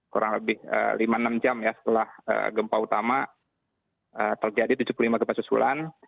kurang lebih lima enam jam ya setelah gempa utama terjadi tujuh puluh lima gempa susulan